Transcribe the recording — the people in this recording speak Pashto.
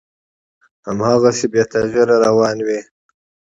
هماغسې بې تغییره روان وي،